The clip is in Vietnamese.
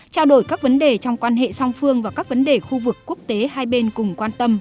trao đổi các vấn đề trong quan hệ song phương và các vấn đề khu vực quốc tế hai bên cùng quan tâm